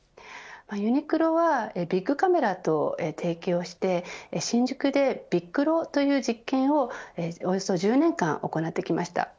ユニクロはビックカメラと提携をして新宿で、ビックロという実験をおよそ１０年間行ってきました。